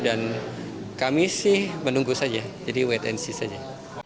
dan kami sih menunggu saja jadi wait and see saja